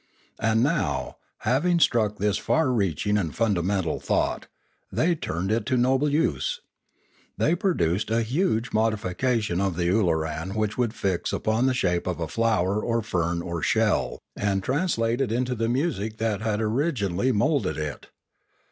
And now, having struck this far reaching and fundamental thought, they turned it to noble use. They produced a huge modification of the ooloran which would fix upon the shape of a flower or fern or shell, and trans late it into the music that had originally moulded it.